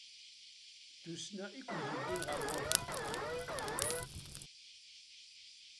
D tussna i ken-id-yewwin ar ɣur-s?